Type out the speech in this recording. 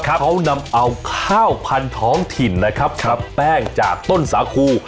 เขานำเอาข้าวพันธองถิ่นตัดแป้งจากต้นสาคู